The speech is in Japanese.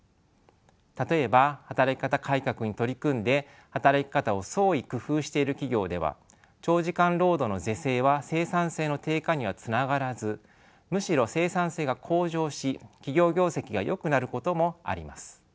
例えば働き方改革に取り組んで働き方を創意工夫している企業では長時間労働の是正は生産性の低下にはつながらずむしろ生産性が向上し企業業績がよくなることもあります。